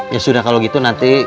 ya sudah kalau gitu nanti